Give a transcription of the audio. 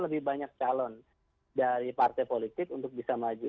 lebih banyak calon dari partai politik untuk bisa maju